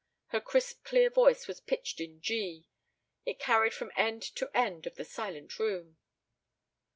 Her crisp clear voice was pitched in G. It carried from end to end of the silent room.